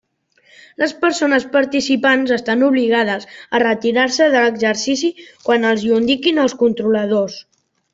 Les persones participants estan obligades a retirar-se de l'exercici quan els ho indiquin els controladors.